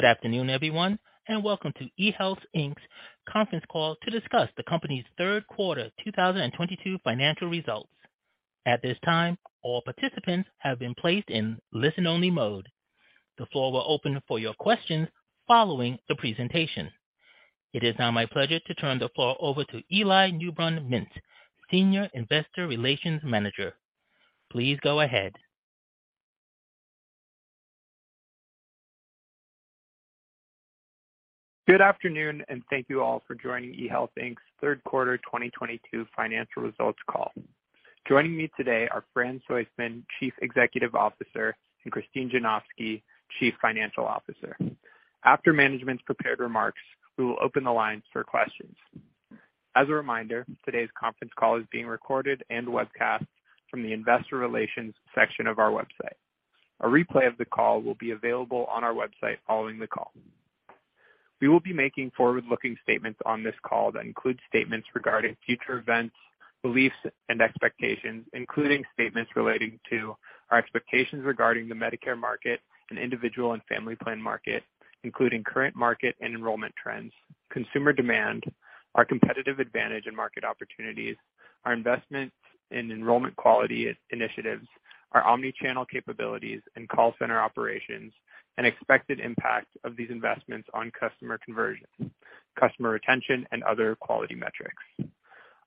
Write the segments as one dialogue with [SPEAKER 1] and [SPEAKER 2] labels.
[SPEAKER 1] Good afternoon, everyone, and welc`ome to eHealth, Inc.'s conference call to discuss the company's third quarter 2022 financial results. At this time, all participants have been placed in listen-only mode. The floor will open for your questions following the presentation. It is now my pleasure to turn the floor over to Eli Newbrun-Mintz, Senior Investor Relations Manager. Please go ahead.
[SPEAKER 2] Good afternoon, and thank you all for joining eHealth, Inc.'s third quarter 2022 financial results call. Joining me today are Fran Soistman, Chief Executive Officer, and Christine Janofsky, Chief Financial Officer. After management's prepared remarks, we will open the lines for questions. As a reminder, today's conference call is being recorded and webcast from the investor relations section of our website. A replay of the call will be available on our website following the call. We will be making forward-looking statements on this call that include statements regarding future events, beliefs, and expectations, including statements relating to our expectations regarding the Medicare market and individual and family plan market, including current market and enrollment trends, consumer demand, our competitive advantage and market opportunities, our investments in enrollment quality initiatives, our omni-channel capabilities and call center operations, and expected impact of these investments on customer conversion, customer retention, and other quality metrics.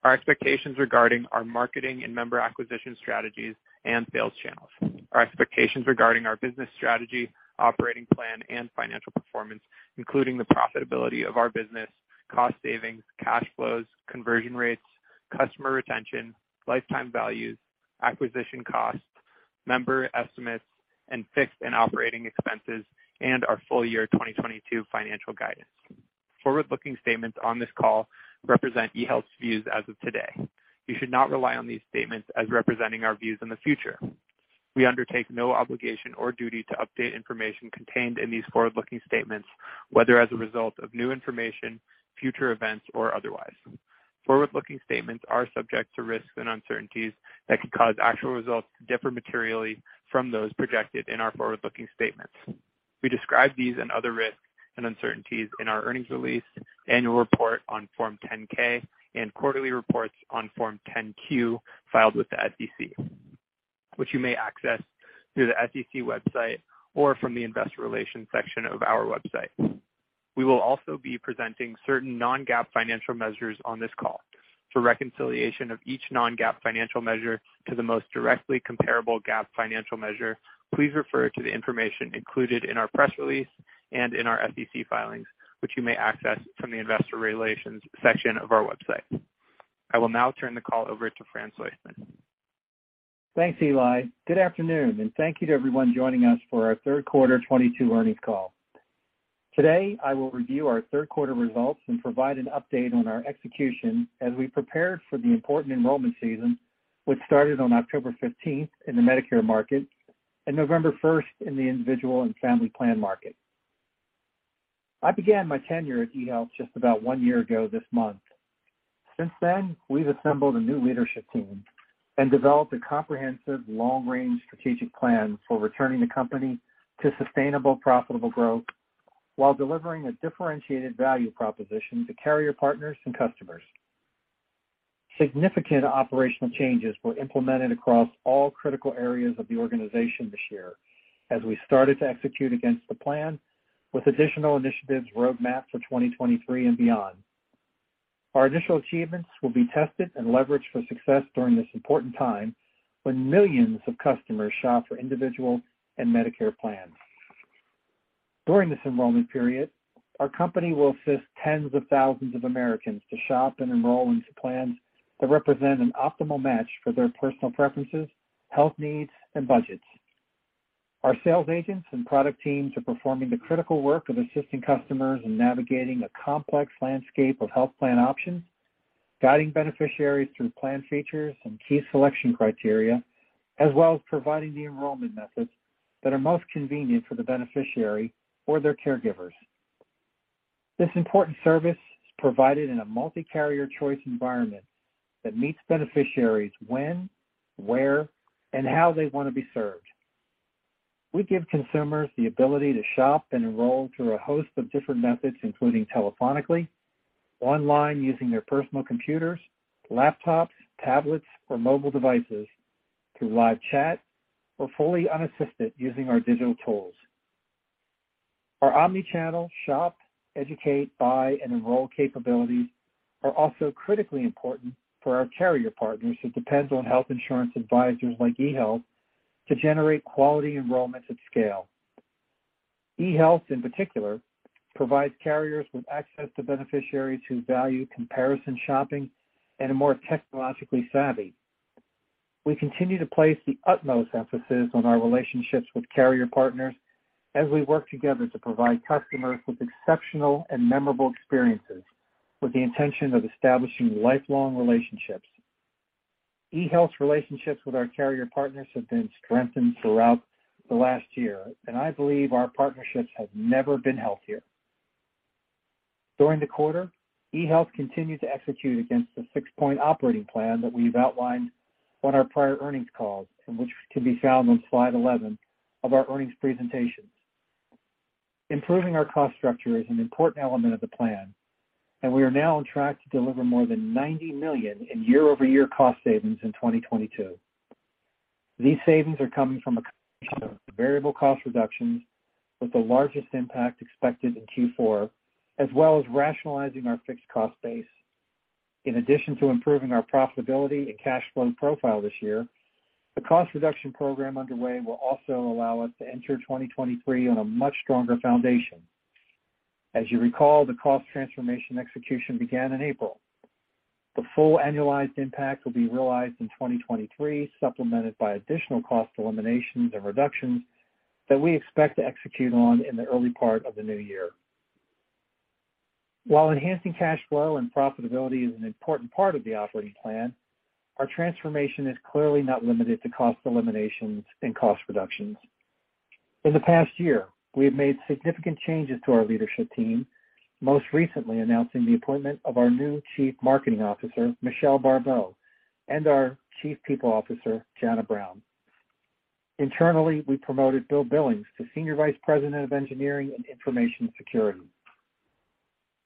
[SPEAKER 2] Our expectations regarding our marketing and member acquisition strategies and sales channels. Our expectations regarding our business strategy, operating plan, and financial performance, including the profitability of our business, cost savings, cash flows, conversion rates, customer retention, lifetime values, acquisition costs, member estimates, and fixed and operating expenses, and our full-year 2022 financial guidance. Forward-looking statements on this call represent eHealth's views as of today. You should not rely on these statements as representing our views in the future. We undertake no obligation or duty to update information contained in these forward-looking statements, whether as a result of new information, future events, or otherwise. Forward-looking statements are subject to risks and uncertainties that could cause actual results to differ materially from those projected in our forward-looking statements. We describe these and other risks and uncertainties in our earnings release, annual report on Form 10-K and quarterly reports on Form 10-Q filed with the SEC, which you may access through the SEC website or from the investor relations section of our website. We will also be presenting certain non-GAAP financial measures on this call. For reconciliation of each non-GAAP financial measure to the most directly comparable GAAP financial measure, please refer to the information included in our press release and in our SEC filings, which you may access from the investor relations section of our website. I will now turn the call over to Fran Soistman.
[SPEAKER 3] Thanks, Eli. Good afternoon, and thank you to everyone joining us for our third quarter 2022 earnings call. Today, I will review our third quarter results and provide an update on our execution as we prepare for the important enrollment season, which started on October 15th in the Medicare market and November 1st in the individual and family plan market. I began my tenure at eHealth just about one year ago this month. Since then, we've assembled a new leadership team and developed a comprehensive long-range strategic plan for returning the company to sustainable, profitable growth while delivering a differentiated value proposition to carrier partners and customers. Significant operational changes were implemented across all critical areas of the organization this year as we started to execute against the plan with additional initiatives roadmapped for 2023 and beyond. Our initial achievements will be tested and leveraged for success during this important time when millions of customers shop for individual and Medicare plans. During this enrollment period, our company will assist tens of thousands of Americans to shop and enroll into plans that represent an optimal match for their personal preferences, health needs, and budgets. Our sales agents and product teams are performing the critical work of assisting customers in navigating a complex landscape of health plan options, guiding beneficiaries through plan features and key selection criteria, as well as providing the enrollment methods that are most convenient for the beneficiary or their caregivers. This important service is provided in a multi-carrier choice environment that meets beneficiaries when, where, and how they wanna be served. We give consumers the ability to shop and enroll through a host of different methods, including telephonically, online using their personal computers, laptops, tablets, or mobile devices, through live chat, or fully unassisted using our digital tools. Our Omni-channel shop, educate, buy, and enroll capabilities are also critically important for our carrier partners who depends on health insurance advisors like eHealth to generate quality enrollments at scale. eHealth, in particular, provides carriers with access to beneficiaries who value comparison shopping and are more technologically savvy. We continue to place the utmost emphasis on our relationships with carrier partners as we work together to provide customers with exceptional and memorable experiences with the intention of establishing lifelong relationships. eHealth's relationships with our carrier partners have been strengthened throughout the last year, and I believe our partnerships have never been healthier. During the quarter, eHealth continued to execute against the six-point operating plan that we've outlined on our prior earnings calls and which can be found on Slide 11 of our earnings presentations. Improving our cost structure is an important element of the plan, and we are now on track to deliver more than $90 million in year-over-year cost savings in 2022. These savings are coming from a combination of variable cost reductions, with the largest impact expected in Q4, as well as rationalizing our fixed cost base. In addition to improving our profitability and cash flow profile this year, the cost reduction program underway will also allow us to enter 2023 on a much stronger foundation. As you recall, the cost transformation execution began in April. The full annualized impact will be realized in 2023, supplemented by additional cost eliminations and reductions that we expect to execute on in the early part of the new year. While enhancing cash flow and profitability is an important part of the operating plan, our transformation is clearly not limited to cost eliminations and cost reductions. In the past year, we have made significant changes to our leadership team, most recently announcing the appointment of our new Chief Marketing Officer, Michelle Barbeau, and our Chief People Officer, Jana Brown. Internally, we promoted Bill Billings to Senior Vice President of Engineering and Information Security.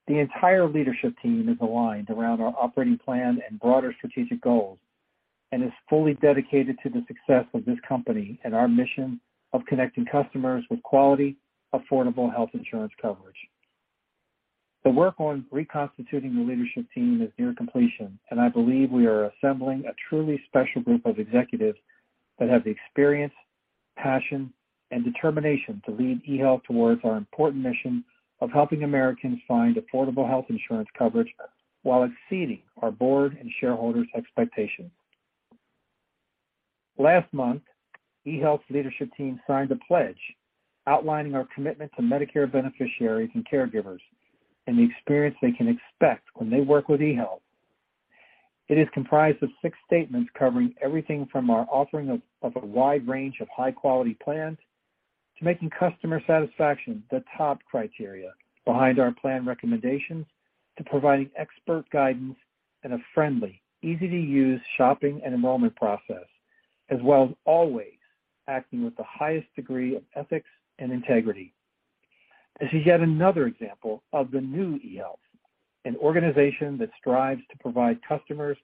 [SPEAKER 3] The entire leadership team is aligned around our operating plan and broader strategic goals and is fully dedicated to the success of this company and our mission of connecting customers with quality, affordable health insurance coverage. The work on reconstituting the leadership team is near completion, and I believe we are assembling a truly special group of executives that have the experience, passion, and determination to lead eHealth towards our important mission of helping Americans find affordable health insurance coverage while exceeding our board and shareholders' expectations. Last month, eHealth's leadership team signed a pledge outlining our commitment to Medicare beneficiaries and caregivers and the experience they can expect when they work with eHealth. It is comprised of six statements covering everything from our offering of a wide range of high-quality plans to making customer satisfaction the top criteria behind our plan recommendations, to providing expert guidance and a friendly, easy-to-use shopping and enrollment process, as well as always acting with the highest degree of ethics and integrity. This is yet another example of the new eHealth, an organization that strives to provide customers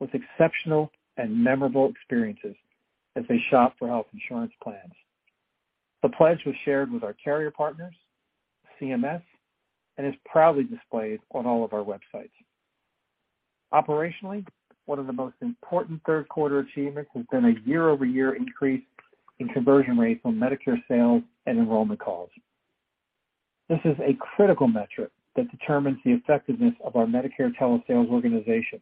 [SPEAKER 3] with exceptional and memorable experiences as they shop for health insurance plans. The pledge was shared with our carrier partners, CMS, and is proudly displayed on all of our websites. Operationally, one of the most important third quarter achievements has been a year-over-year increase in conversion rates on Medicare sales and enrollment calls. This is a critical metric that determines the effectiveness of our Medicare telesales organization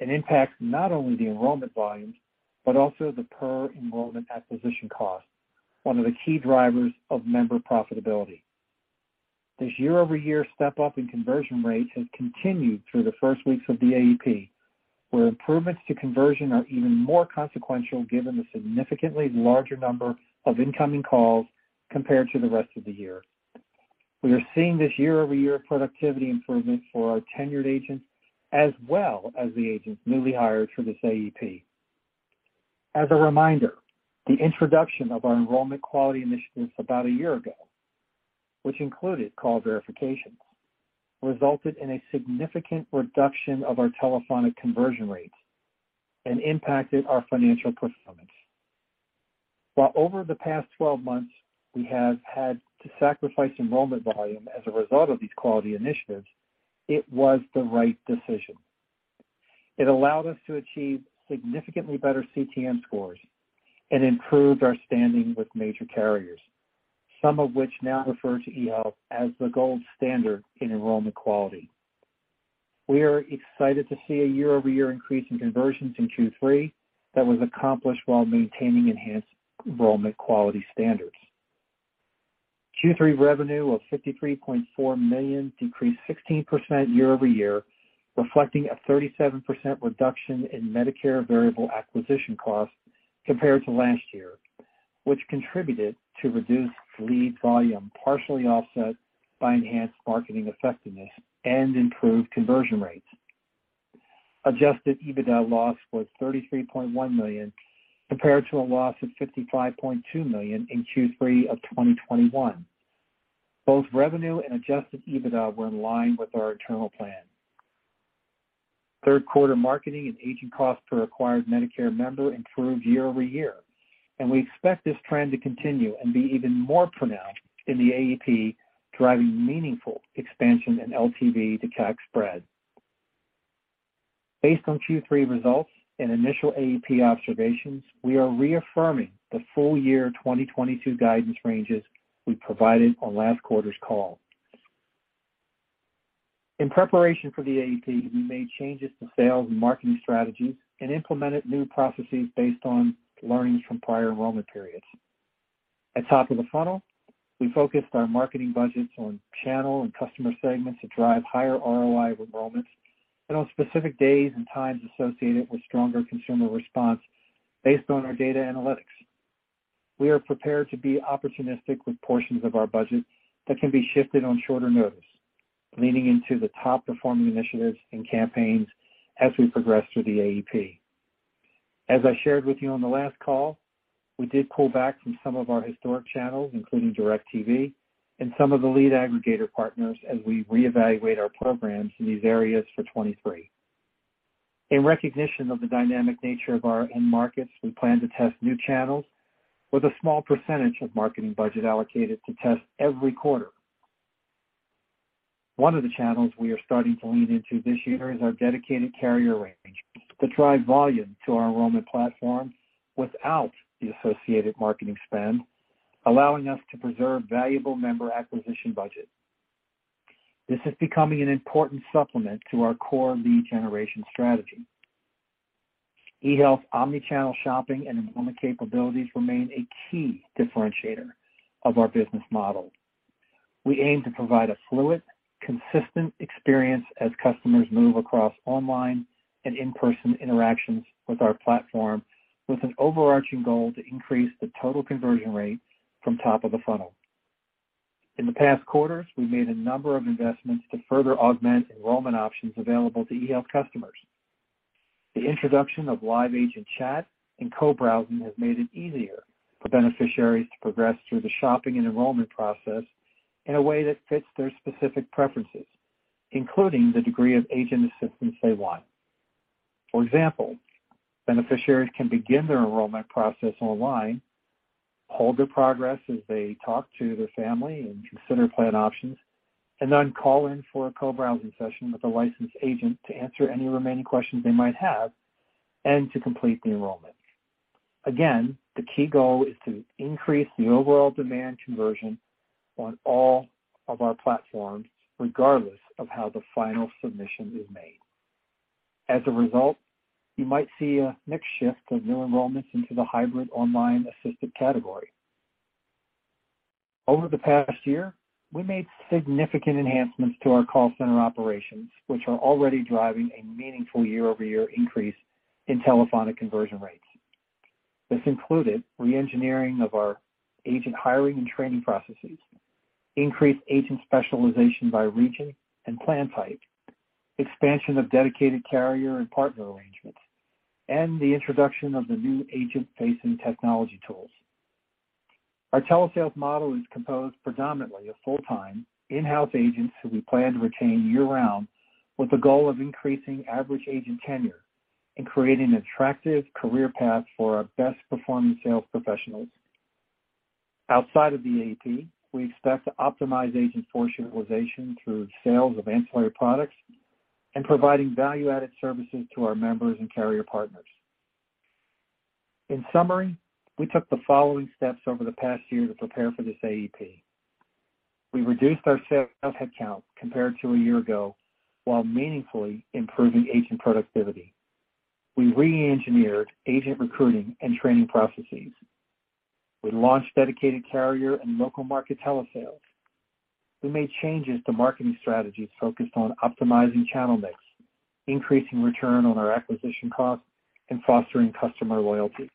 [SPEAKER 3] and impacts not only the enrollment volumes, but also the per-enrollment acquisition cost, one of the key drivers of member profitability. This year-over-year step-up in conversion rates has continued through the first weeks of the AEP, where improvements to conversion are even more consequential given the significantly larger number of incoming calls compared to the rest of the year. We are seeing this year-over-year productivity improvement for our tenured agents as well as the agents newly hired for this AEP. As a reminder, the introduction of our enrollment quality initiatives about a year ago, which included call verifications, resulted in a significant reduction of our telephonic conversion rates and impacted our financial performance. While over the past 12 months we have had to sacrifice enrollment volume as a result of these quality initiatives, it was the right decision. It allowed us to achieve significantly better CTM scores and improved our standing with major carriers, some of which now refer to eHealth as the gold standard in enrollment quality. We are excited to see a year-over-year increase in conversions in Q3 that was accomplished while maintaining enhanced enrollment quality standards. Q3 revenue of $53.4 million decreased 16% year-over-year, reflecting a 37% reduction in Medicare variable acquisition costs compared to last year, which contributed to reduced lead volume, partially offset by enhanced marketing effectiveness and improved conversion rates. Adjusted EBITDA loss was $33.1 million, compared to a loss of $55.2 million in Q3 of 2021. Both revenue and adjusted EBITDA were in line with our internal plan. Third quarter marketing and agent cost per acquired Medicare member improved year-over-year, and we expect this trend to continue and be even more pronounced in the AEP, driving meaningful expansion in LTV to CAC spread. Based on Q3 results and initial AEP observations, we are reaffirming the full-year 2022 guidance ranges we provided on last quarter's call. In preparation for the AEP, we made changes to sales and marketing strategies and implemented new processes based on learnings from prior enrollment periods. At top of the funnel, we focused our marketing budgets on channel and customer segments that drive higher ROI of enrollments and on specific days and times associated with stronger consumer response based on our data analytics. We are prepared to be opportunistic with portions of our budget that can be shifted on shorter notice, leaning into the top performing initiatives and campaigns as we progress through the AEP. As I shared with you on the last call, we did pull back from some of our historic channels, including DIRECTV, and some of the lead aggregator partners as we reevaluate our programs in these areas for 2023. In recognition of the dynamic nature of our end markets, we plan to test new channels with a small percentage of marketing budget allocated to test every quarter. One of the channels we are starting to lean into this year is our dedicated carrier range to drive volume to our enrollment platform without the associated marketing spend, allowing us to preserve valuable member acquisition budget. This is becoming an important supplement to our core lead generation strategy. eHealth omni-channel shopping and enrollment capabilities remain a key differentiator of our business model. We aim to provide a fluid, consistent experience as customers move across online and in-person interactions with our platform, with an overarching goal to increase the total conversion rate from top of the funnel. In the past quarters, we made a number of investments to further augment enrollment options available to eHealth customers. The introduction of live agent chat and co-browsing has made it easier for beneficiaries to progress through the shopping and enrollment process in a way that fits their specific preferences, including the degree of agent assistance they want. For example, beneficiaries can begin their enrollment process online, hold their progress as they talk to their family and consider plan options, and then call in for a co-browsing session with a licensed agent to answer any remaining questions they might have and to complete the enrollment. Again, the key goal is to increase the overall demand conversion on all of our platforms, regardless of how the final submission is made. As a result, you might see a mixed shift of new enrollments into the hybrid online assisted category. Over the past year, we made significant enhancements to our call center operations, which are already driving a meaningful year-over-year increase in telephonic conversion rates. This included reengineering of our agent hiring and training processes, increased agent specialization by region and plan type, expansion of dedicated carrier and partner arrangements, and the introduction of the new agent facing technology tools. Our telesales model is composed predominantly of full-time in-house agents who we plan to retain year-round with the goal of increasing average agent tenure and creating an attractive career path for our best performing sales professionals. Outside of the AEP, we expect to optimize agent force utilization through sales of ancillary products and providing value-added services to our members and carrier partners. In summary, we took the following steps over the past year to prepare for this AEP. We reduced our sales headcount compared to a year ago, while meaningfully improving agent productivity. We reengineered agent recruiting and training processes. We launched dedicated carrier and local market telesales. We made changes to marketing strategies focused on optimizing channel mix, increasing return on our acquisition costs, and fostering customer loyalty.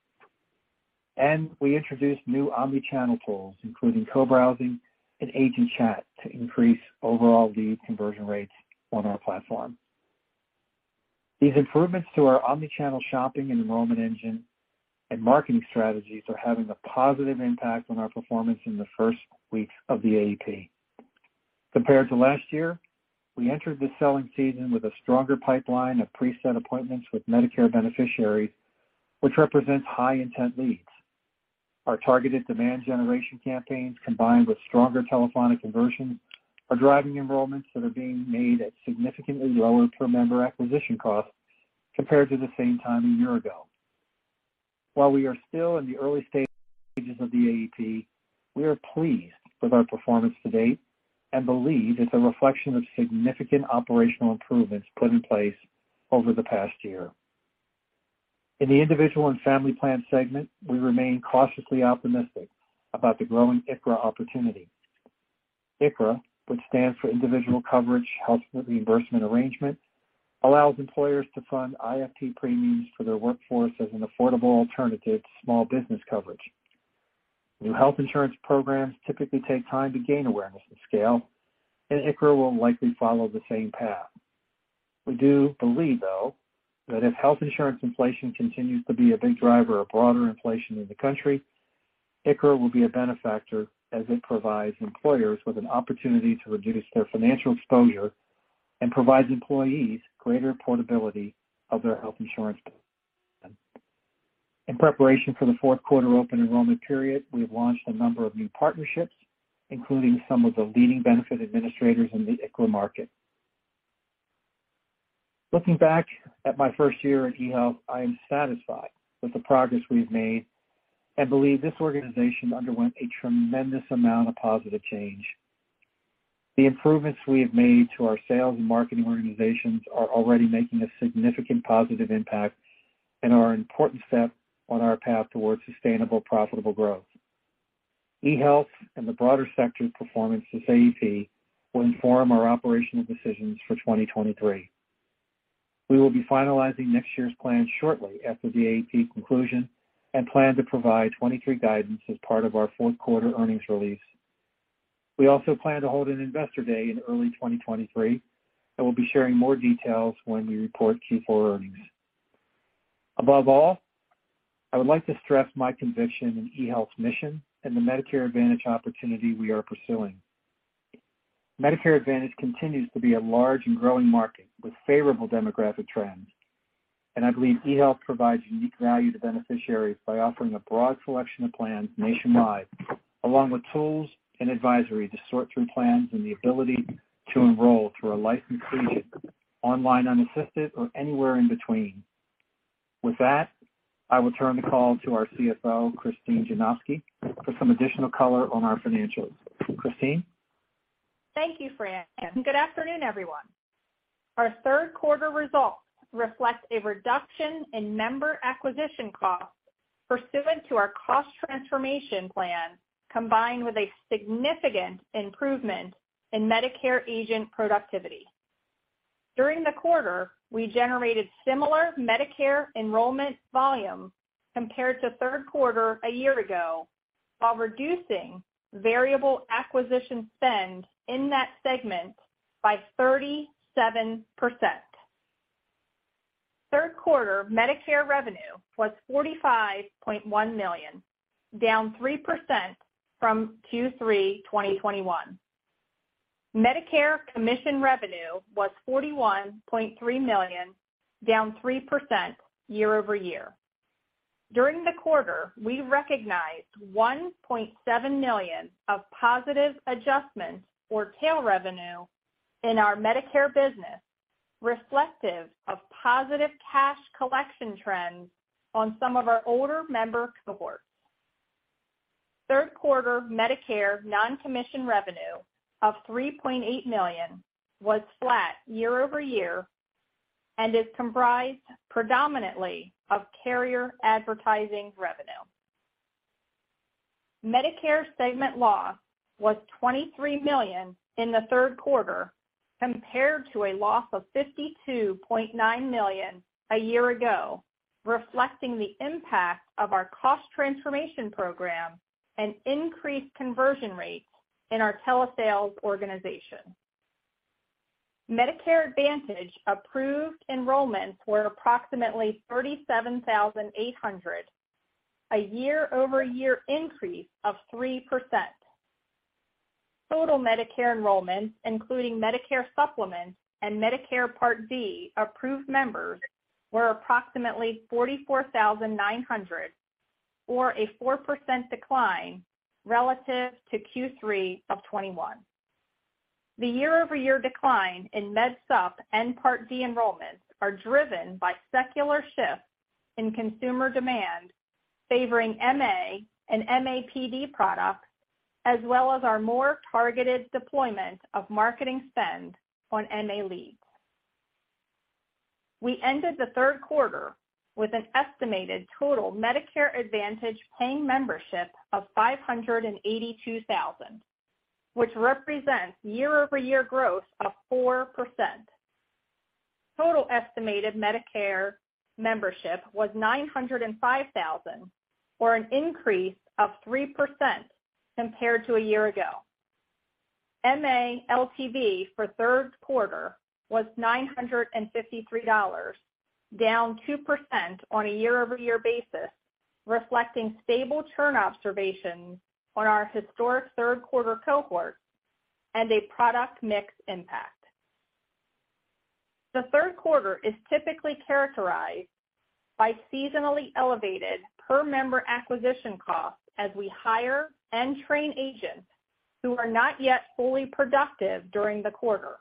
[SPEAKER 3] We introduced new omni-channel tools, including co-browsing and agent chat, to increase overall lead conversion rates on our platform. These improvements to our omni-channel shopping and enrollment engine and marketing strategies are having a positive impact on our performance in the first weeks of the AEP. Compared to last year, we entered the selling season with a stronger pipeline of preset appointments with Medicare beneficiaries, which represents high intent leads. Our targeted demand generation campaigns, combined with stronger telephonic conversions, are driving enrollments that are being made at significantly lower per member acquisition costs compared to the same time a year ago. While we are still in the early stages of the AEP, we are pleased with our performance to date and believe it's a reflection of significant operational improvements put in place over the past year. In the Individual and Family Plan segment, we remain cautiously optimistic about the growing ICHRA opportunity. ICHRA, which stands for Individual Coverage Health Reimbursement Arrangement, allows employers to fund IFP premiums for their workforce as an affordable alternative to small business coverage. New health insurance programs typically take time to gain awareness and scale, and ICHRA will likely follow the same path. We do believe, though, that if health insurance inflation continues to be a big driver of broader inflation in the country, ICHRA will be a beneficiary as it provides employers with an opportunity to reduce their financial exposure and provides employees greater portability of their health insurance plan. In preparation for the fourth quarter open enrollment period, we have launched a number of new partnerships, including some of the leading benefit administrators in the ICHRA market. Looking back at my first year at eHealth, I am satisfied with the progress we've made and believe this organization underwent a tremendous amount of positive change. The improvements we have made to our sales and marketing organizations are already making a significant positive impact and are an important step on our path towards sustainable, profitable growth. eHealth and the broader sector performance this AEP will inform our operational decisions for 2023. We will be finalizing next year's plan shortly after the AEP conclusion and plan to provide 2023 guidance as part of our fourth quarter earnings release. We also plan to hold an Investor Day in early 2023, and we'll be sharing more details when we report Q4 earnings. Above all, I would like to stress my conviction in eHealth's mission and the Medicare Advantage opportunity we are pursuing. Medicare Advantage continues to be a large and growing market with favorable demographic trends, and I believe eHealth provides unique value to beneficiaries by offering a broad selection of plans nationwide, along with tools and advisory to sort through plans and the ability to enroll through a licensed agent, online unassisted or anywhere in between. With that, I will turn the call to our CFO, Christine Janofsky, for some additional color on our financials. Christine?
[SPEAKER 4] Thank you, Fran. Good afternoon, everyone. Our third quarter results reflect a reduction in member acquisition costs pursuant to our cost transformation plan, combined with a significant improvement in Medicare agent productivity. During the quarter, we generated similar Medicare enrollment volume compared to third quarter a year ago, while reducing variable acquisition spend in that segment by 37%. Third quarter Medicare revenue was $45.1 million, down 3% from Q3 2021. Medicare commission revenue was $41.3 million, down 3% year-over-year. During the quarter, we recognized $1.7 million of positive adjustments or tail revenue in our Medicare business, reflective of positive cash collection trends on some of our older member cohorts. Third quarter Medicare non-commission revenue of $3.8 million was flat year-over-year and is comprised predominantly of carrier advertising revenue. Medicare segment loss was $23 million in the third quarter compared to a loss of $52.9 million a year ago, reflecting the impact of our cost transformation program and increased conversion rates in our telesales organization. Medicare Advantage approved enrollments were approximately 37,800, a year-over-year increase of 3%. Total Medicare enrollments, including Medicare Supplement and Medicare Part D approved members, were approximately 44,900, or a 4% decline relative to Q3 of 2021. The year-over-year decline in Med Sup and Part D enrollments are driven by secular shifts in consumer demand favoring MA and MAPD products, as well as our more targeted deployment of marketing spend on MA leads. We ended the third quarter with an estimated total Medicare Advantage paying membership of 582,000, which represents year-over-year growth of 4%. Total estimated Medicare membership was 905,000, or an increase of 3% compared to a year ago. MA LTV for third quarter was $953, down 2% on a year-over-year basis, reflecting stable churn observations on our historic third quarter cohort and a product mix impact. The third quarter is typically characterized by seasonally elevated per member acquisition costs as we hire and train agents who are not yet fully productive during the quarter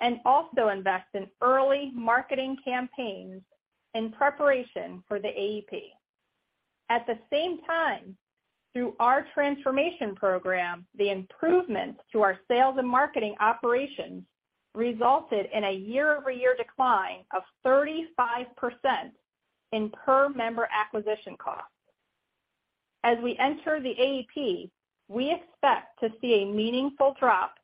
[SPEAKER 4] and also invest in early marketing campaigns in preparation for the AEP. At the same time, through our transformation program, the improvements to our sales and marketing operations resulted in a year-over-year decline of 35% in per member acquisition costs. As we enter the AEP, we expect to see a meaningful drop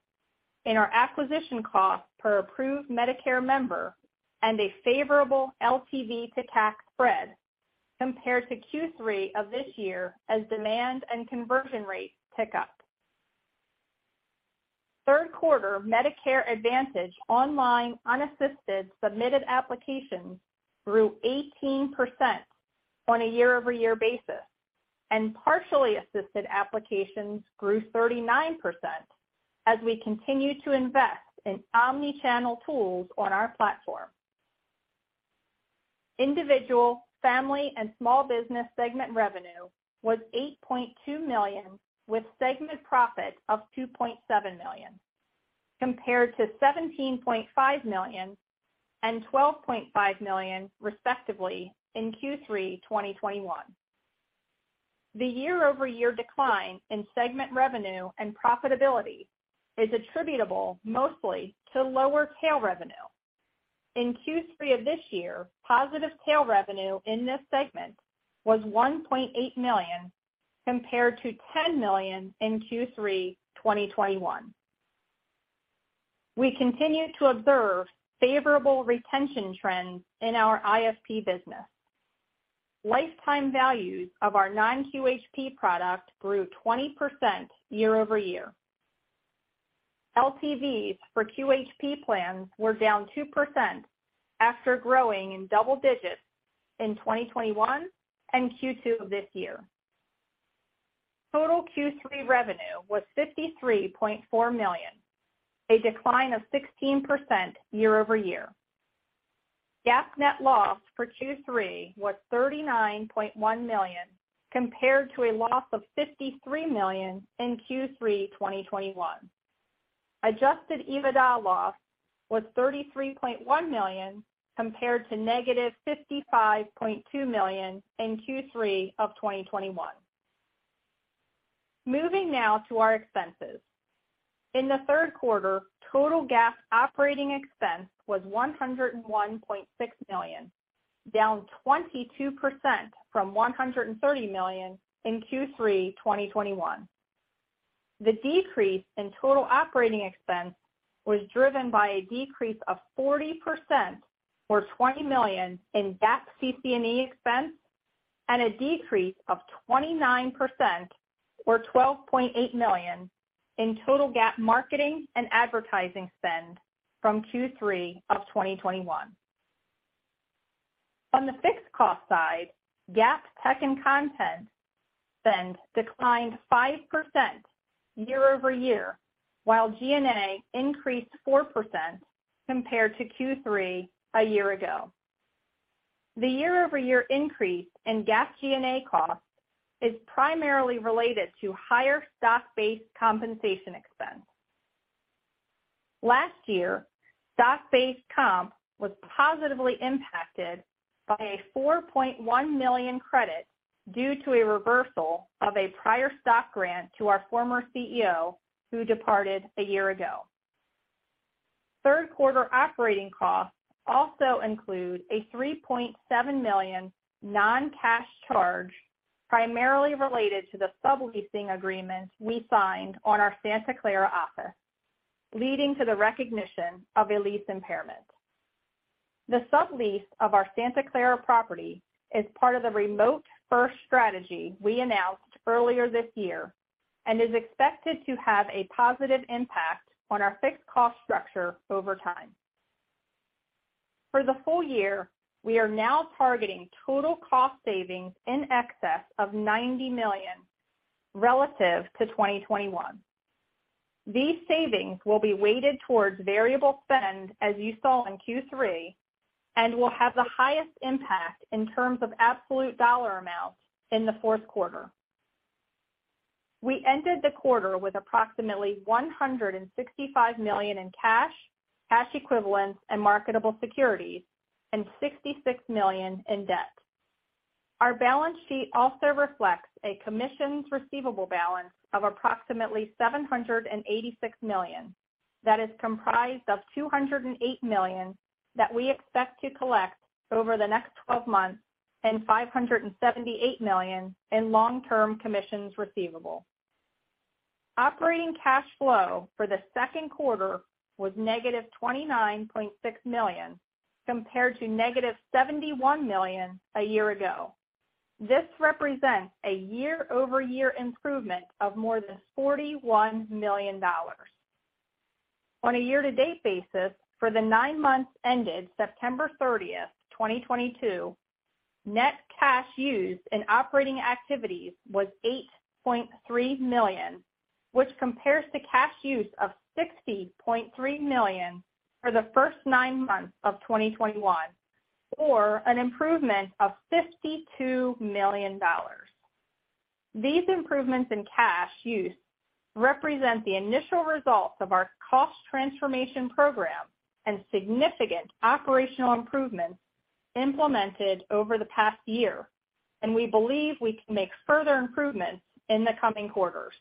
[SPEAKER 4] in our acquisition cost per approved Medicare member and a favorable LTV to CAC spread compared to Q3 of this year as demand and conversion rates pick up. Third quarter Medicare Advantage online unassisted submitted applications grew 18% on a year-over-year basis, and partially assisted applications grew 39% as we continue to invest in omni-channel tools on our platform. Individual, Family, and Small business segment revenue was $8.2 million, with segment profit of $2.7 million, compared to $17.5 million and $12.5 million, respectively, in Q3 2021. The year-over-year decline in segment revenue and profitability is attributable mostly to lower tail revenue. In Q3 of this year, positive tail revenue in this segment was $1.8 million compared to $10 million in Q3 2021. We continue to observe favorable retention trends in our IFP business. Lifetime values of our non QHP product grew 20% year-over-year. LTVs for QHP plans were down 2% after growing in double-digits in 2021 and Q2 of this year. Total Q3 revenue was $53.4 million, a decline of 16% year-over-year. GAAP net loss for Q3 was $39.1 million, compared to a loss of $53 million in Q3 2021. Adjusted EBITDA loss was $33.1 million, compared to -$55.2 million in Q3 of 2021. Moving now to our expenses. In the third quarter, total GAAP operating expense was $101.6 million, down 22% from $130 million in Q3 2021. The decrease in total operating expense was driven by a decrease of 40% or $20 million in GAAP CC&E expense, and a decrease of 29% or $12.8 million in total GAAP marketing and advertising spend from Q3 of 2021. On the fixed cost side, GAAP tech and content spend declined 5% year-over-year, while G&A increased 4% compared to Q3 a year ago. The year-over-year increase in GAAP G&A costs is primarily related to higher stock-based compensation expense. Last year, stock-based comp was positively impacted by a $4.1 million credit due to a reversal of a prior stock grant to our former CEO, who departed a year ago. Third quarter operating costs also include a $3.7 million non-cash charge, primarily related to the subleasing agreement we signed on our Santa Clara office, leading to the recognition of a lease impairment. The sublease of our Santa Clara property is part of the remote first strategy we announced earlier this year and is expected to have a positive impact on our fixed cost structure over time. For the full-year, we are now targeting total cost savings in excess of $90 million relative to 2021. These savings will be weighted towards variable spend, as you saw in Q3, and will have the highest impact in terms of absolute dollar amounts in the fourth quarter. We ended the quarter with approximately $165 million in cash equivalents, and marketable securities, and $66 million in debt. Our balance sheet also reflects a commissions receivable balance of approximately $786 million. That is comprised of $208 million that we expect to collect over the next 12 months and $578 million in long-term commissions receivable. Operating cash flow for the second quarter was -$29.6 million, compared to -$71 million a year ago. This represents a year-over-year improvement of more than $41 million. On a year-to-date basis, for the 9 months ended September 30th, 2022, net cash used in operating activities was $8.3 million, which compares to cash use of $60.3 million for the first nine months of 2021, or an improvement of $52 million. These improvements in cash use represent the initial results of our cost transformation program and significant operational improvements implemented over the past year, and we believe we can make further improvements in the coming quarters.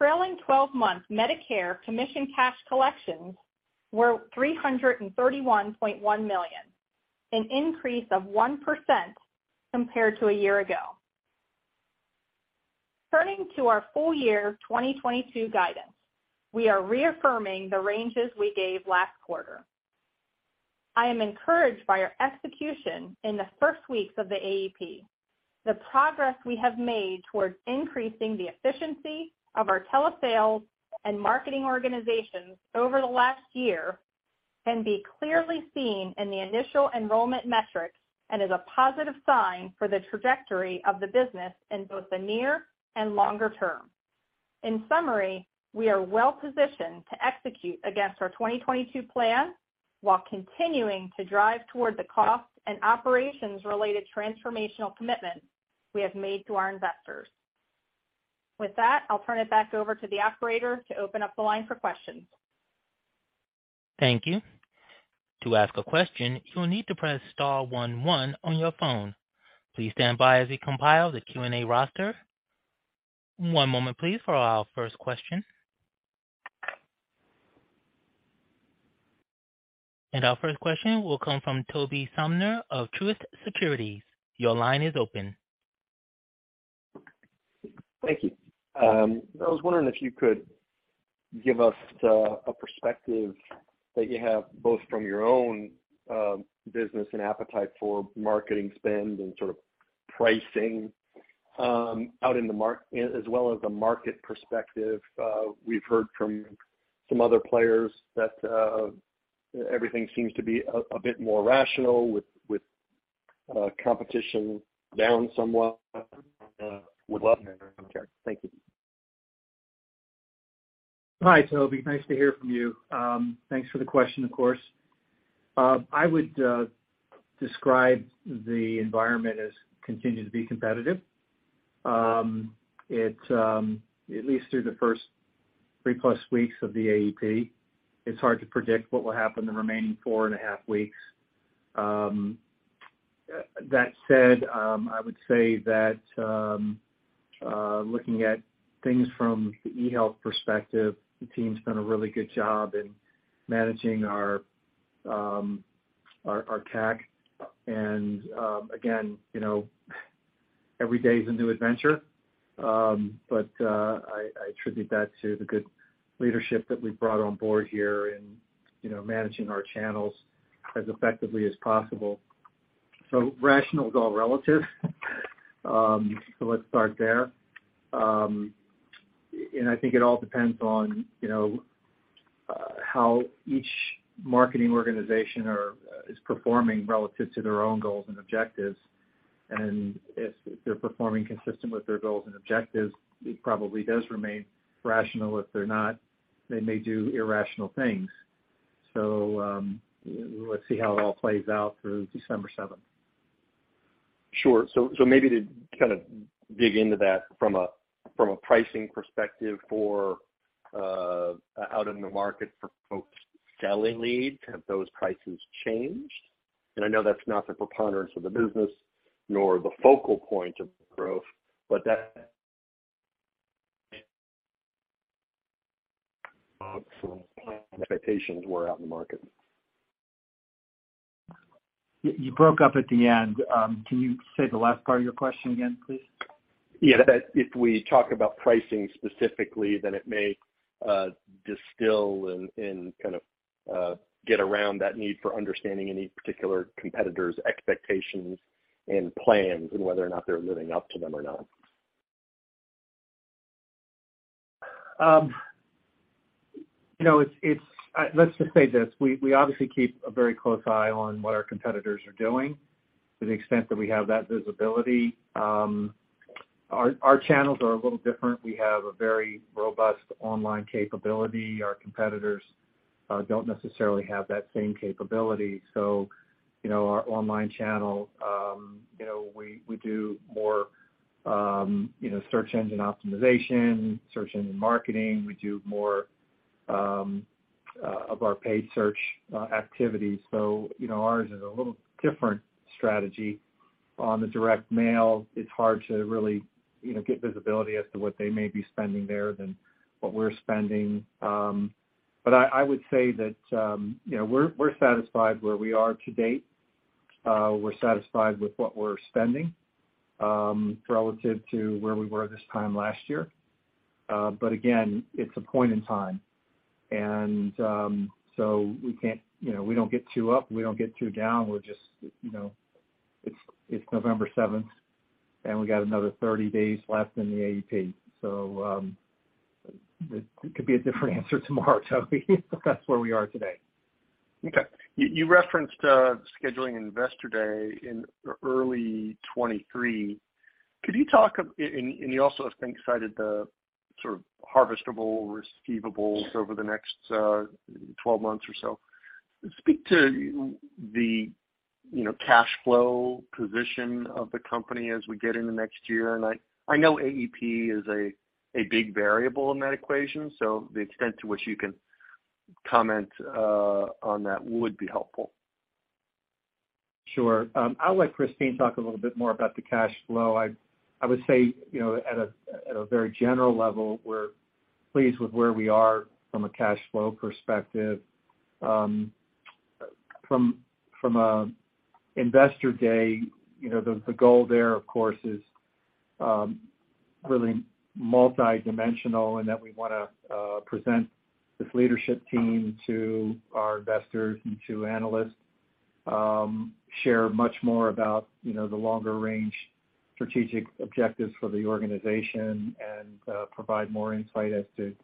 [SPEAKER 4] Trailing 12-month Medicare commission cash collections were $331.1 million, an increase of 1% compared to a year ago. Turning to our full year 2022 guidance, we are reaffirming the ranges we gave last quarter. I am encouraged by our execution in the first weeks of the AEP. The progress we have made towards increasing the efficiency of our Telesales and Marketing organizations over the last year can be clearly seen in the initial enrollment metrics and is a positive sign for the trajectory of the business in both the near and longe-term. In summary, we are well positioned to execute against our 2022 plan while continuing to drive toward the cost and operations related transformational commitments we have made to our investors. With that, I'll turn it back over to the operator to open up the line for questions.
[SPEAKER 1] Thank you. To ask a question, you will need to press Star one one on your phone. Please stand by as we compile the Q&A roster. One moment please for our first question. Our first question will come from Tobey Sommer of Truist Securities. Your line is open.
[SPEAKER 5] Thank you. I was wondering if you could give us a perspective that you have both from your own business and appetite for marketing spend and sort of pricing out in the market as well as the market perspective. We've heard from some other players that everything seems to be a bit more rational with competition down somewhat. Would love to hear your commentary. Thank you.
[SPEAKER 3] Hi, Tobey. Nice to hear from you. Thanks for the question, of course. I would describe the environment as continuing to be competitive. It's at least through the first 3+ weeks of the AEP. It's hard to predict what will happen the remaining 4.5 weeks. That said, I would say that looking at things from the eHealth perspective, the team's done a really good job in managing our tag. Again, you know, every day is a new adventure. I attribute that to the good leadership that we've brought on board here in you know, managing our channels as effectively as possible. Rational is all relative. Let's start there. I think it all depends on, you know, how each marketing organization is performing relative to their own goals and objectives. If they're performing consistent with their goals and objectives, it probably does remain rational. If they're not, they may do irrational things. Let's see how it all plays out through December 7th.
[SPEAKER 5] Sure. Maybe to kind of dig into that from a pricing perspective for out in the market for folks selling leads, have those prices changed? I know that's not the preponderance of the business nor the focal point of growth, but the expectations were out in the market.
[SPEAKER 3] You broke up at the end. Can you say the last part of your question again, please?
[SPEAKER 5] Yeah. That if we talk about pricing specifically, then it may distill and kind of get around that need for understanding any particular competitor's expectations and plans, and whether or not they're living up to them or not.
[SPEAKER 3] You know, let's just say this. We obviously keep a very close eye on what our competitors are doing to the extent that we have that visibility. Our channels are a little different. We have a very robust online capability. Our competitors don't necessarily have that same capability. You know, our online channel, you know, we do more, you know, search engine optimization, search engine marketing. We do more of our paid search activities. You know, ours is a little different strategy. On the direct mail, it's hard to really, you know, get visibility as to what they may be spending there than what we're spending. I would say that, you know, we're satisfied where we are to date. We're satisfied with what we're spending relative to where we were this time last year. Again, it's a point in time. We can't, you know, we don't get too up, and we don't get too down. We're just, you know, it's November 7th, and we got another 30 days left in the AEP, so it could be a different answer tomorrow, Toby, but that's where we are today.
[SPEAKER 5] Okay. You referenced scheduling Investor Day in early 2023. Could you talk, and you also, I think, cited the sort of harvestable receivables over the next 12 months or so. Speak to the, you know, cash flow position of the company as we get into next year. I know AEP is a big variable in that equation, so the extent to which you can comment on that would be helpful.
[SPEAKER 3] Sure. I'll let Christine talk a little bit more about the cash flow. I would say, you know, at a very general level, we're pleased with where we are from a cash flow perspective. From a Investor Day, you know, the goal there, of course, is really multi-dimensional and that we wanna present this leadership team to our investors and to analysts, share much more about, you know, the longer-range strategic objectives for the organization and provide more insight as to, you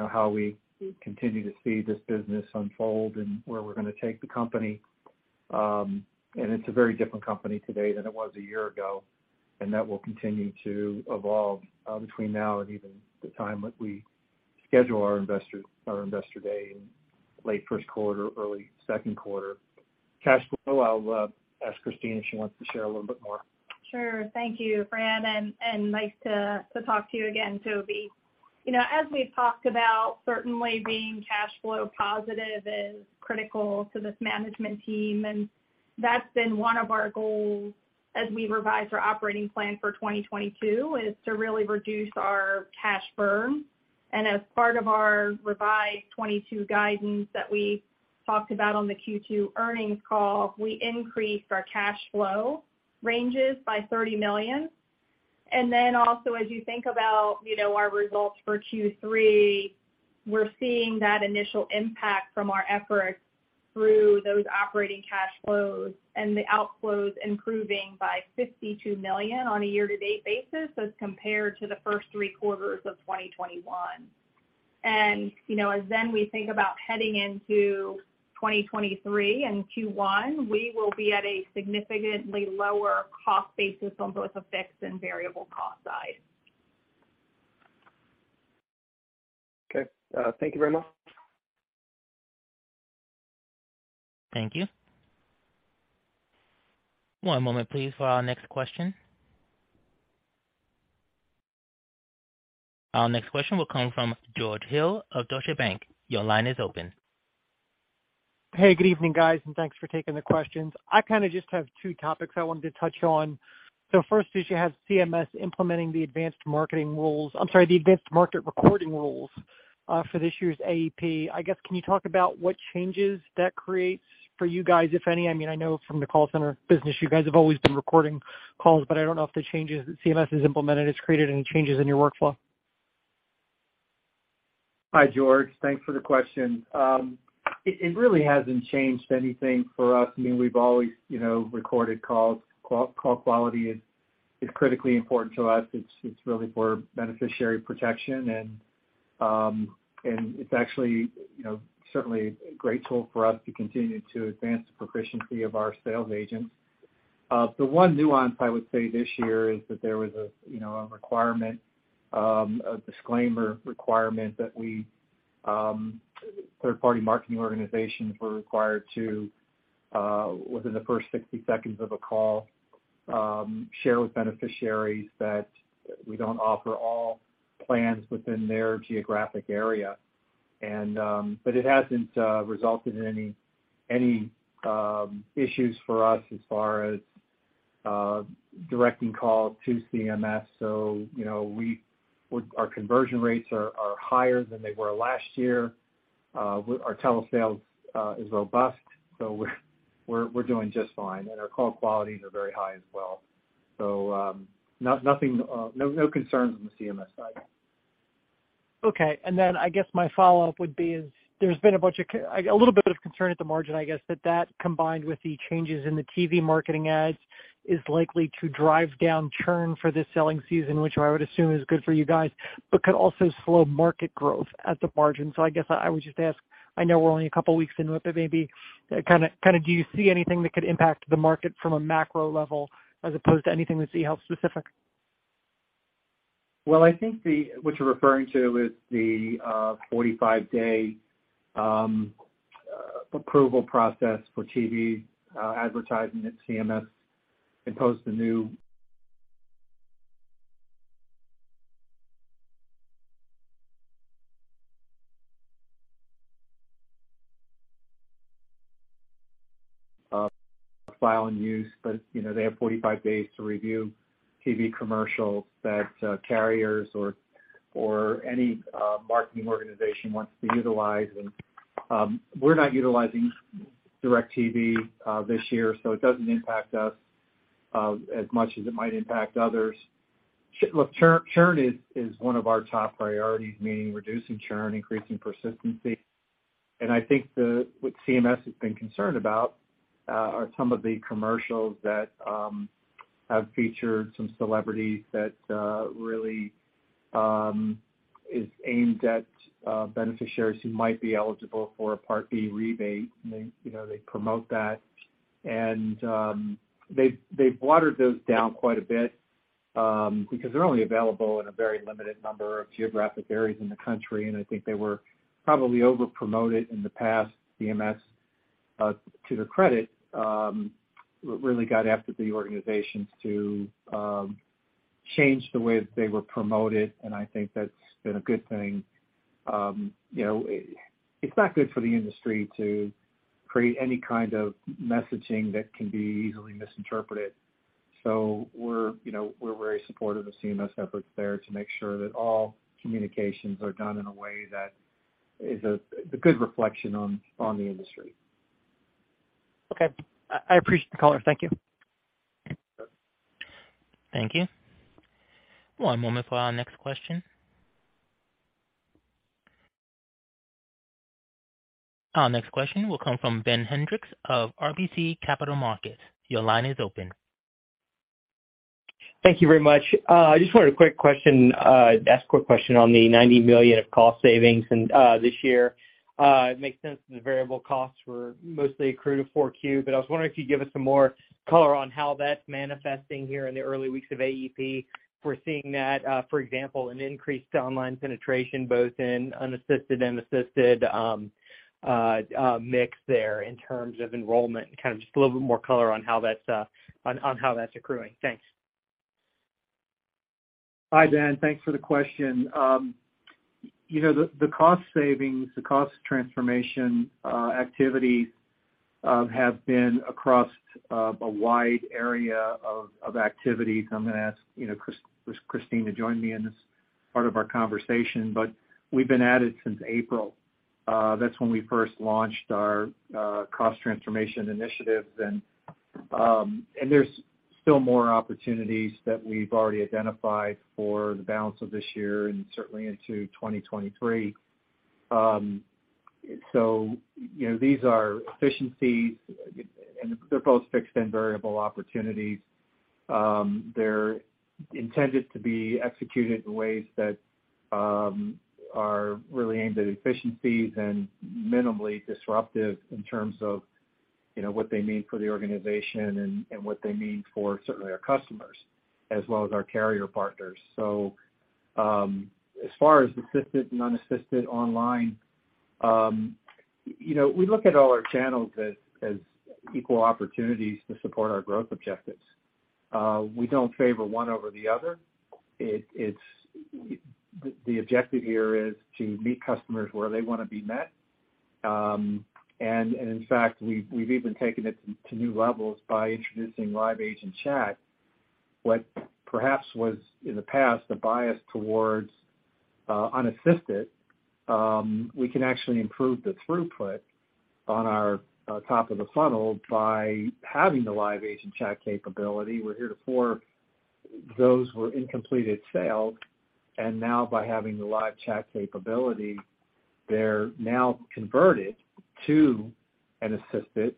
[SPEAKER 3] know, how we continue to see this business unfold and where we're gonna take the company. It's a very different company today than it was a year ago, and that will continue to evolve between now and even the time that we schedule our Investor Day in late first quarter, early second quarter. Cash flow, I'll ask Christine if she wants to share a little bit more.
[SPEAKER 4] Sure. Thank you, Fran, and nice to talk to you again, Toby. You know, as we've talked about, certainly being cash flow positive is critical to this management team, and that's been one of our goals as we revise our operating plan for 2022, is to really reduce our cash burn. As part of our revised 2022 guidance that we talked about on the Q2 earnings call, we increased our cash flow ranges by $30 million. Also as you think about, you know, our results for Q3, we're seeing that initial impact from our efforts through those operating cash flows and the outflows improving by $52 million on a year-to-date basis as compared to the first three quarters of 2021. You know, as then we think about heading into 2023 and Q1, we will be at a significantly lower cost basis on both a fixed and variable cost side.
[SPEAKER 5] Okay, thank you very much.
[SPEAKER 1] Thank you. One moment please for our next question. Our next question will come from George Hill of Deutsche Bank. Your line is open.
[SPEAKER 6] Hey, good evening, guys, and thanks for taking the questions. I kind of just have two topics I wanted to touch on. First is you have CMS implementing the advanced marketing recording rules for this year's AEP. I guess, can you talk about what changes that creates for you guys, if any? I mean, I know from the call center business, you guys have always been recording calls, but I don't know if the changes that CMS has implemented has created any changes in your workflow.
[SPEAKER 3] Hi, George. Thanks for the question. It really hasn't changed anything for us. I mean, we've always, you know, recorded calls. Call quality is critically important to us. It's really for beneficiary protection and it's actually, you know, certainly a great tool for us to continue to advance the proficiency of our sales agents. The one nuance I would say this year is that there was a, you know, a requirement, a disclaimer requirement that we, third-party marketing organizations were required to, within the first 60 seconds of a call, share with beneficiaries that we don't offer all plans within their geographic area. But it hasn't resulted in any issues for us as far as directing calls to CMS. You know, our conversion rates are higher than they were last year. Our Telesales is robust, so we're doing just fine, and our call qualities are very high as well. Nothing, no concerns on the CMS side.
[SPEAKER 6] Okay. Then I guess my follow-up would be is there's been a bunch of a little bit of concern at the margin, I guess that combined with the changes in the TV marketing ads is likely to drive down churn for this selling season, which I would assume is good for you guys, but could also slow market growth at the margin. I guess I would just ask, I know we're only a couple weeks in, but maybe, kinda do you see anything that could impact the market from a macro level as opposed to anything that's eHealth specific?
[SPEAKER 3] Well, I think what you're referring to is the 45-day approval process for TV advertising that CMS imposed, a new file and use. You know, they have 45 days to review TV commercials that carriers or any marketing organization wants to utilize. We're not utilizing DIRECTV this year, so it doesn't impact us as much as it might impact others. Look, churn is one of our top priorities, meaning reducing churn, increasing persistency. I think what CMS has been concerned about are some of the commercials that have featured some celebrities that really is aimed at beneficiaries who might be eligible for a Part D rebate. They, you know, they promote that. They've watered those down quite a bit because they're only available in a very limited number of geographic areas in the country, and I think they were probably over-promoted in the past. CMS, to their credit, really got after the organizations to change the way that they were promoted, and I think that's been a good thing. You know, it's not good for the industry to create any kind of messaging that can be easily misinterpreted. You know, we're very supportive of CMS efforts there to make sure that all communications are done in a way that is a good reflection on the industry.
[SPEAKER 6] Okay. I appreciate the call. Thank you.
[SPEAKER 1] Thank you. One moment for our next question. Our next question will come from Ben Hendrix of RBC Capital Markets. Your line is open.
[SPEAKER 7] Thank you very much. I just wanted to ask a quick question on the $90 million of cost savings and this year. It makes sense that the variable costs were mostly accrued to 4Q. I was wondering if you'd give us some more color on how that's manifesting here in the early weeks of AEP. If we're seeing that, for example, an increased online penetration, both in unassisted and assisted, mix there in terms of enrollment and kind of just a little bit more color on how that's accruing. Thanks.
[SPEAKER 3] Hi, Ben. Thanks for the question. You know, the cost savings, the cost transformation activities have been across a wide area of activities. I'm gonna ask, you know, Christine to join me in this part of our conversation. We've been at it since April. That's when we first launched our cost transformation initiative. There's still more opportunities that we've already identified for the balance of this year and certainly into 2023. You know, these are efficiencies, and they're both fixed and variable opportunities. They're intended to be executed in ways that are really aimed at efficiencies and minimally disruptive in terms of, you know, what they mean for the organization and what they mean for certainly our customers as well as our carrier partners. As far as assisted and unassisted online, you know, we look at all our channels as equal opportunities to support our growth objectives. We don't favor one over the other. The objective here is to meet customers where they wanna be met. In fact, we've even taken it to new levels by introducing live agent chat. What perhaps was, in the past, a bias towards unassisted, we can actually improve the throughput on our top of the funnel by having the live agent chat capability. We're here to support those who are in incomplete sales. Now by having the live chat capability, they're now converted to an assisted.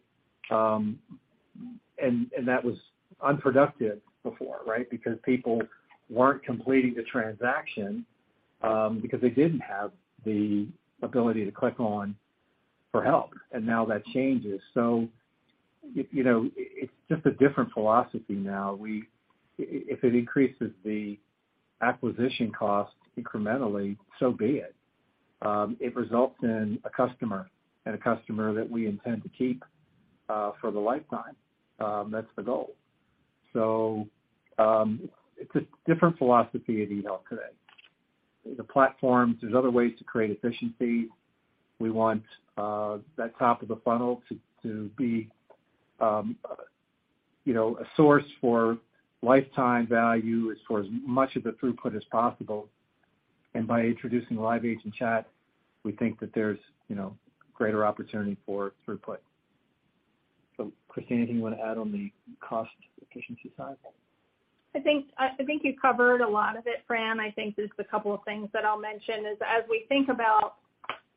[SPEAKER 3] That was unproductive before, right? Because people weren't completing the transaction because they didn't have the ability to click on for help. Now that changes. You know, it's just a different philosophy now. If it increases the acquisition cost incrementally, so be it. It results in a customer and a customer that we intend to keep for the lifetime. That's the goal. It's a different philosophy at eHealth today. The platforms, there's other ways to create efficiency. We want that top of the funnel to be you know, a source for lifetime value as far as much of the throughput as possible. By introducing live agent chat, we think that there's you know, greater opportunity for throughput. Christine, anything you wanna add on the cost efficiency side?
[SPEAKER 4] I think you covered a lot of it, Fran. I think just a couple of things that I'll mention is, as we think about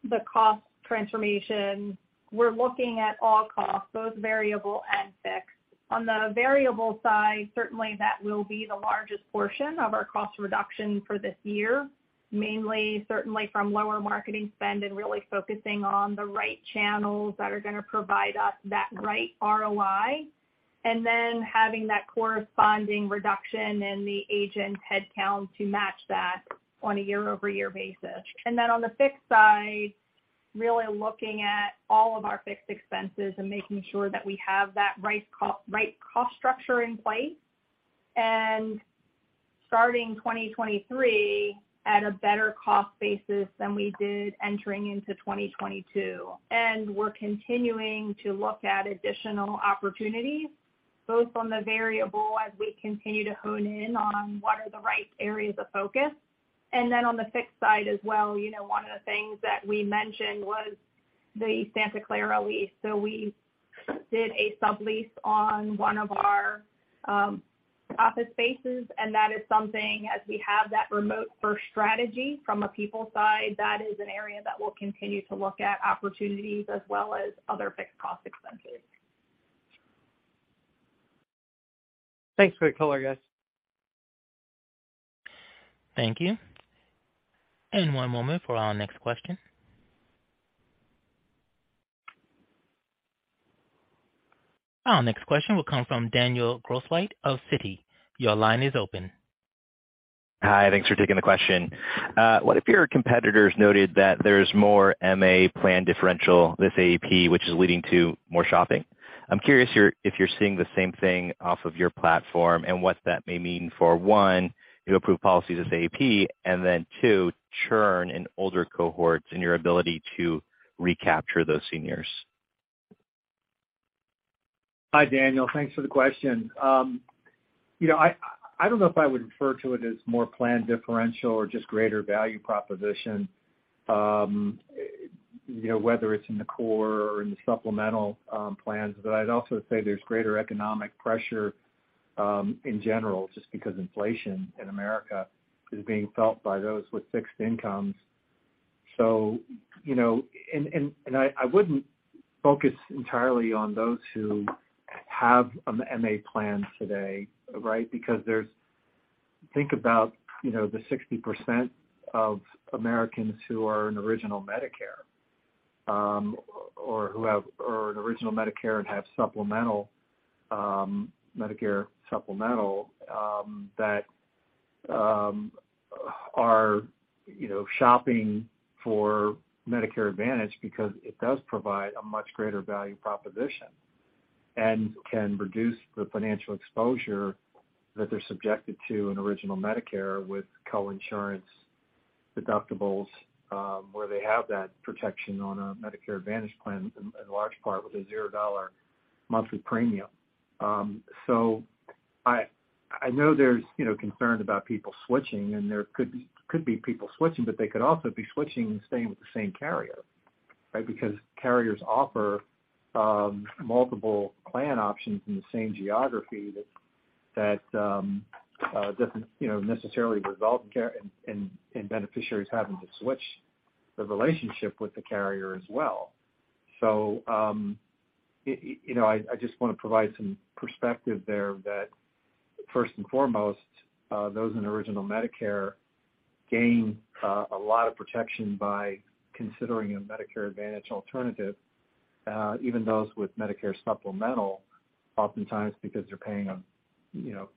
[SPEAKER 4] the cost transformation, we're looking at all costs, both variable and fixed. On the variable side, certainly that will be the largest portion of our cost reduction for this year, mainly certainly from lower marketing spend and really focusing on the right channels that are gonna provide us that right ROI. Having that corresponding reduction in the agent headcount to match that on a year-over-year basis. On the fixed side, really looking at all of our fixed expenses and making sure that we have that right cost structure in place. Starting 2023 at a better cost basis than we did entering into 2022. We're continuing to look at additional opportunities, both on the variable as we continue to hone in on what are the right areas of focus. On the fixed side as well, you know, one of the things that we mentioned was the Santa Clara lease. We did a sublease on one of our office spaces, and that is something, as we have that remote first strategy from a people side, that is an area that we'll continue to look at opportunities as well as other fixed cost expenses.
[SPEAKER 7] Thanks for your color, guys.
[SPEAKER 1] Thank you. One moment for our next question. Our next question will come from Daniel Grosslight of Citi. Your line is open.
[SPEAKER 8] Hi. Thanks for taking the question. One of your competitors noted that there's more MA plan differential with AEP, which is leading to more shopping. I'm curious if you're seeing the same thing off of your platform and what that may mean for, one, new approved policies with AEP, and then, two, churn in older cohorts and your ability to recapture those seniors.
[SPEAKER 3] Hi, Daniel. Thanks for the question. You know, I don't know if I would refer to it as more plan differential or just greater value proposition, you know, whether it's in the core or in the supplemental plans. I'd also say there's greater economic pressure in general just because inflation in America is being felt by those with fixed incomes. You know, I wouldn't focus entirely on those who have an MA plan today, right? Think about, you know, the 60% of Americans who are in Original Medicare or in Original Medicare and have Medicare Supplement that are, you know, shopping for Medicare Advantage because it does provide a much greater value proposition. Can reduce the financial exposure that they're subjected to in Original Medicare with coinsurance deductibles, where they have that protection on a Medicare Advantage plan, in large part with a $0 monthly premium. I know there's, you know, concern about people switching, and there could be people switching, but they could also be switching and staying with the same carrier, right? Because carriers offer multiple plan options in the same geography that doesn't, you know, necessarily result in beneficiaries having to switch the relationship with the carrier as well. You know, I just wanna provide some perspective there that first and foremost, those in original Medicare gain a lot of protection by considering a Medicare Advantage alternative. Even those with Medicare Supplement, oftentimes because they're paying, you know,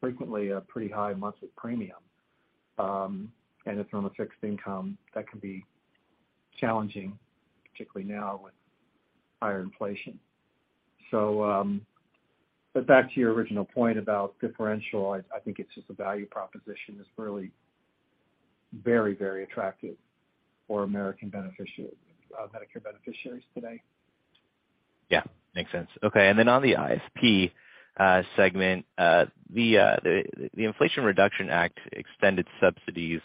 [SPEAKER 3] frequently a pretty high monthly premium, and it's on a fixed income, that can be challenging, particularly now with higher inflation. But back to your original point about differential, I think it's just the value proposition is really very, very attractive for American Medicare beneficiaries today.
[SPEAKER 8] Yeah, makes sense. Okay, and then on the IFP segment, the Inflation Reduction Act extended subsidies,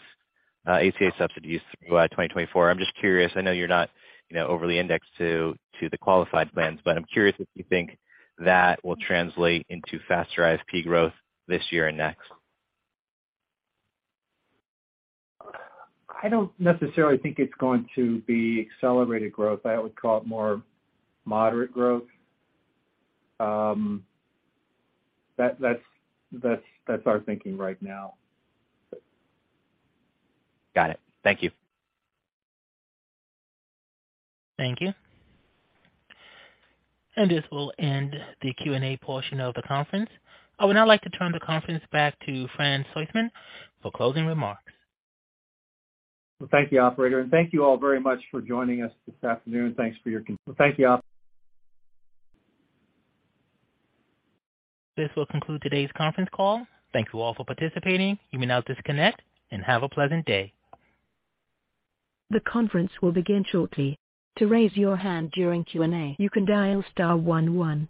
[SPEAKER 8] ACA subsidies through 2024. I'm just curious. I know you're not, you know, overly indexed to the qualified plans, but I'm curious if you think that will translate into faster IFP growth this year and next.
[SPEAKER 3] I don't necessarily think it's going to be accelerated growth. I would call it more moderate growth. That's our thinking right now.
[SPEAKER 8] Got it. Thank you.
[SPEAKER 1] Thank you. This will end the Q&A portion of the conference. I would now like to turn the conference back to Fran Soistman for closing remarks.
[SPEAKER 3] Well, thank you, operator, and thank you all very much for joining us this afternoon.
[SPEAKER 1] This will conclude today's conference call. Thank you all for participating. You may now disconnect and have a pleasant day.